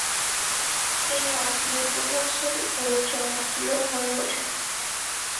তিনি অচিরেই প্রভাবশালী ও জনপ্রিয় হয়ে উঠেন।